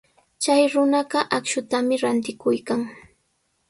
Chay runaqa akshutami rantikuykan.